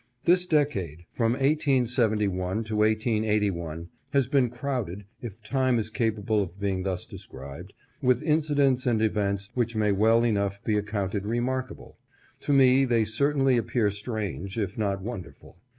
This decade, from 1871 to 1881, has been crowded, if time is capable of being thus described, with incidents and events which may well enough be accounted remarkable. To me they certainly appear strange, if not wonderful.